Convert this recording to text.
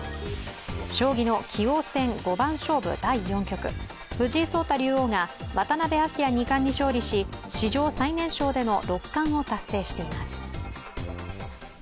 将棋の棋王戦五番勝負第４局、藤井聡太竜王が渡辺明二冠に勝利し史上最年少での六冠を達成しています。